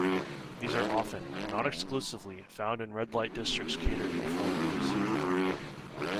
These are often, but not exclusively, found in red light districts catering to foreigners.